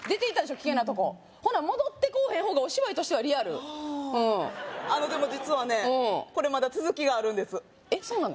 危険なとこほな戻ってこおへん方がお芝居としてはリアルああでも実はねこれまだ続きがあるんですえっそうなの？